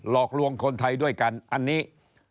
หลอกลวงคนไทยด้วยกันอันนี้